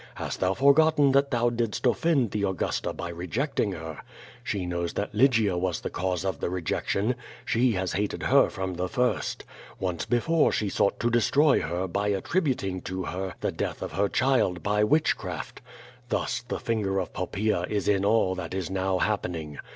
Hast thou for gotten that thou didst offend the Augusta by rejecting her? She knows that Lygia was the cause of the rejection. She has hated her from the first. Once before she sought to destroy her by attributing to her the death of her child by witchcraft. Thus the finger of Poppaea is in all that is now happening.